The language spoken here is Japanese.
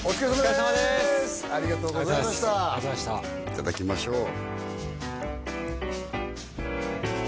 いただきましょう